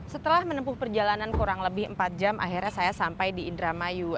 setelah menempuh perjalanan kurang lebih empat jam akhirnya saya sampai di indramayu